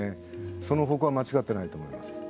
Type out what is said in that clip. その方向は間違ってないと思います。